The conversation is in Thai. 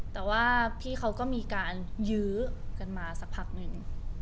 แต่ว่าพี่เขาก็มีการยื้อกันมาสักพักหนึ่ง